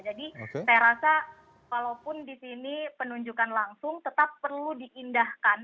jadi saya rasa walaupun di sini penunjukan langsung tetap perlu diindahkan